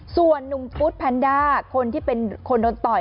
ส่วนนุ่มฟุตแพนด้าคนที่เป็นคนโดนต่อย